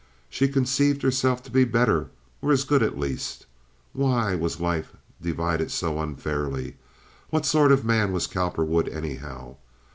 She conceived herself to be better, or as good at least. Why was life divided so unfairly? What sort of a man was Cowperwood, anyhow?